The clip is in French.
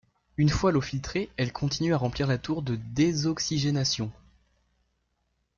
Une fois l’eau filtrée, elle continue à remplir la tour de désoxygénation.